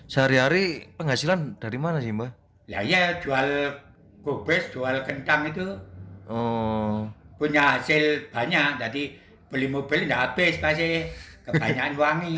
jual kubis jual kentang itu punya hasil banyak jadi beli mobil gak habis pasti kebanyakan wangi